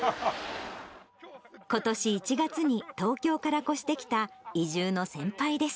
ことし１月に東京から越してきた移住の先輩です。